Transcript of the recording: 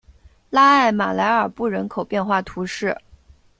拉艾马莱尔布人口变化图示